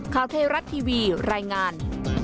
ข่าวเทรัตน์ทีวีรายงาน